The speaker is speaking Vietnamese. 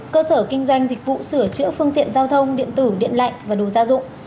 cơ sở kinh doanh dịch vụ sửa chữa phương tiện giao thông điện tử điện lạnh và đồ gia dụng